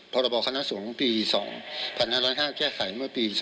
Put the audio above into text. พรคปี๒๑๐๕แก้ไขเมื่อปี๒๕๓๕